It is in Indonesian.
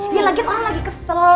ya lagi orang lagi kesel